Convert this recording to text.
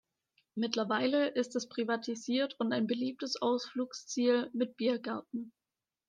Mittlerweile ist es privatisiert und ein beliebtes Ausflugsziel mit Biergarten.